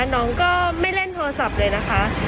น้องก็ไม่เล่นโทรศัพท์เลยนะคะ